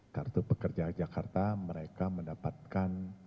kartu pekerja jakarta mereka mendapatkan